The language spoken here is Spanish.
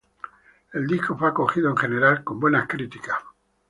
El disco fue acogido en general con buenas críticas.